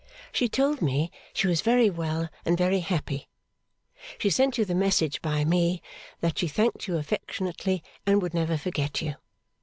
She told me she was very well and very happy. She sent you the message, by me, that she thanked you affectionately and would never forget you.